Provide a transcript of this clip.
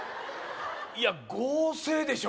いや合成でしょ